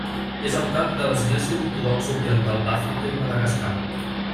És el cap de l'Església Ortodoxa Oriental d'Àfrica i Madagascar.